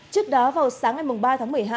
trước đó vào sáng ngày ba tháng một mươi hai